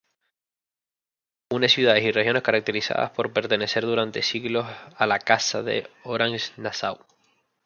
Une ciudades y regiones caracterizadas por pertenecer durante siglos a la Casa de Orange-Nassau.